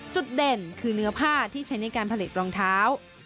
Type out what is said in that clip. จุดเด่นคือเนื้อผ้าที่ใช้ในการผลิตรองเท้า